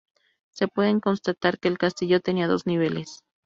Se pueden constatar que el castillo tenía dos niveles.